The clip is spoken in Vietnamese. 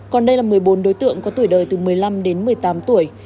còn đây là một mươi bốn đối tượng có tuổi đời từ một mươi năm đến một mươi tám tuổi